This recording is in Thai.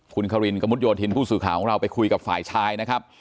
คุณคารินกระมุดโยธินผู้สื่อข่าวของเราไปคุยกับฝ่ายชายนะครับ